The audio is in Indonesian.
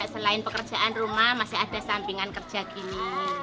selain pekerjaan rumah masih ada sampingan kerja gini